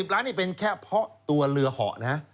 ล้านนี่เป็นแค่เพราะตัวเรือเหาะนะ